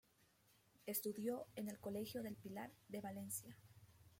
Estudió en el Colegio del Pilar de Valencia.